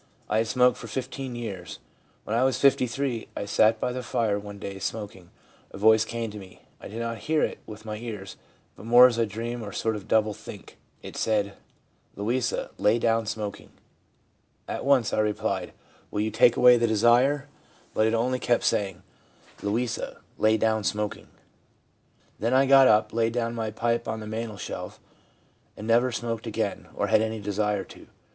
I had smoked for 15 years. When I was 53, as I sat by the fire one day smok ing, a voice came to me. I did not hear it with my ears, but more as a dream or sort of double think. It said, " Louisa, lay down smoking." At once I replied, CONVERSION AS A NORMAL EXPERIENCE 143 " Will you take the desire away?" But it only kept saying, " Louisa, lay down smoking." Then I got up, laid my pipe on the mantelshelf, and never smoked again, or had any desire to.